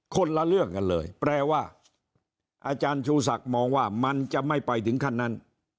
คนละเรื่องกันเลยแปลว่าอาจารย์ชูศักดิ์มองว่ามันจะไม่ไปถึงขั้นนั้น